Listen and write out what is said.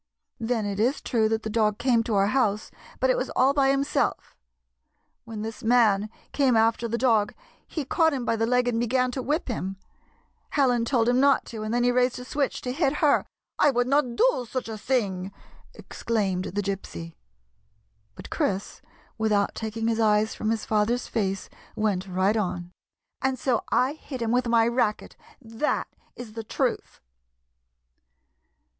Then it is true that the dog came to our house, but it was all by himself. When this man came after the dog, he caught him by the leg and began to whip him, Helen told him not to, and then he raised a switch to hit her—" " I would not do such a thing !" exclaimed the Gypsy. But Chris, without taking his eyes from his father's face, went right on —" and so I hit him with my racket. That is the truth."